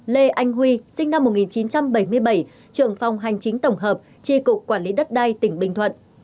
năm lê anh huy sinh năm một nghìn chín trăm bảy mươi bảy trưởng phòng hành chính tổng hợp tri cục quản lý đất đai tỉnh bình thuận